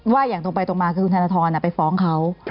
อย่างตรงไปตรงมาคือคุณธนทรไปฟ้องเขา